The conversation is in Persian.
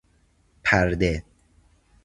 پرده